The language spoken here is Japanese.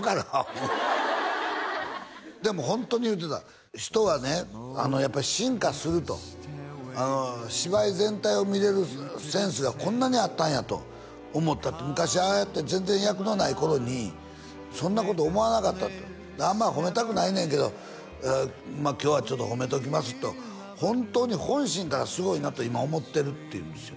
もうでもホントに言うてた人はねやっぱ進化すると芝居全体を見れるセンスがこんなにあったんやと思ったって昔はああやって全然役のない頃にそんなこと思わなかったと「あんまり褒めたくないねんけど今日はちょっと褒めときます」と本当に本心からすごいなと今思ってるって言うんですよ